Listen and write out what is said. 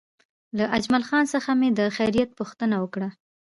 له اجمل جان څخه مې د خیریت پوښتنه وکړه.